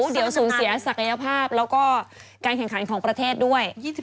เดี๋ยวสูญเสียศักยภาพแล้วก็การแข่งขันของประเทศด้วย